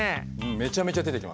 めちゃめちゃ出てきます。